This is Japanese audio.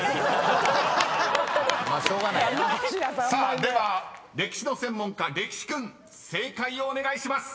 ［さあでは歴史の専門家れきしクン正解をお願いします］